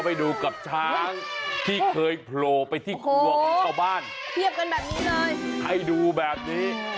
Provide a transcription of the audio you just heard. ให้ดูแบบนี้